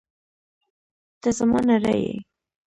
ته زما نړۍ یې!